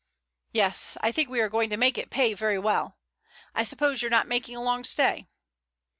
"Yes, I think we are going to make it pay very well. I suppose you're not making a long stay?"